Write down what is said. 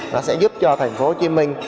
nó sẽ giúp cho thành phố hồ chí minh